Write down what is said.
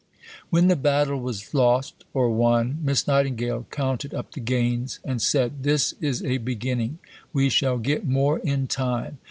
When the battle was lost or won Miss Nightingale counted up the gains, and said, "This is a beginning; we shall get more in time."